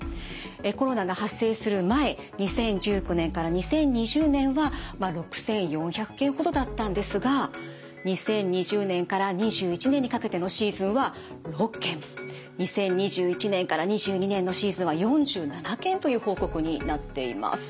コロナが発生する前２０１９年から２０２０年は６，４００件ほどだったんですが２０２０年から２１年にかけてのシーズンは６件２０２１年から２２年のシーズンは４７件という報告になっています。